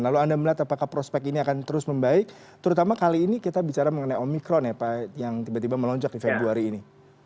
lalu anda melihat apakah prospek ini akan terus membaik terutama kali ini kita bicara mengenai omikron ya pak yang tiba tiba melonjak di februari ini